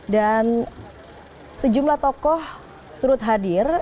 dan sejumlah tokoh turut hadir